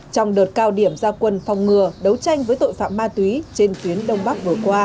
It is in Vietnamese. trong đợt cao điểm gia quân phòng ngừa đấu tranh với tội phạm ma túy trên tuyến đông bắc